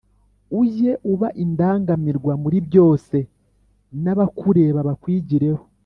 ujye uba indangamirwa muri byose nabakureba bakwigireho .